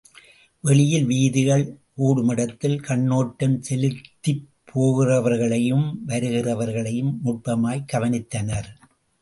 வெளியில் வீதிகள் கூடுமிடத்தில் கண்னோட்டஞ் செலுத்திபோகிறவர்களையும் வருகிறவர்களையும் நுட்பமாய்க் கவனித்தனர்.